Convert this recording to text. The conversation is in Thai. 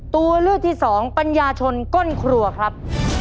ตัวเลือกที่สองปัญญาชนก้นครัวครับ